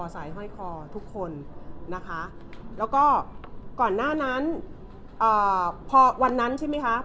ใส่ห้อยคอทุกคนนะคะแล้วก็ก่อนหน้านั้นพอวันนั้นใช่ไหมคะ